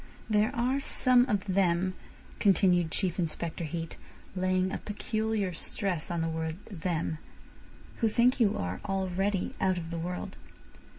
There are some of them," continued Chief Inspector Heat, laying a peculiar stress on the word "them," "who think you are already out of the world."